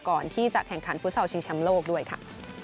ก่อนที่จะแข่งขันฟุตซอลชิงแชมป์โลกด้วยค่ะ